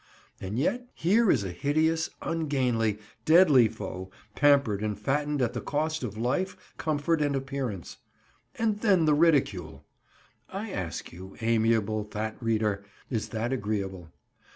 And yet here is a hideous, ungainly, deadly foe pampered and fattened at the cost of life, comfort, and appearance. And then the ridicule! I ask you, amiable fat reader, is that agreeable?